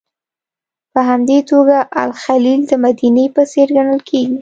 په همدې توګه الخلیل د مدینې په څېر ګڼل کېږي.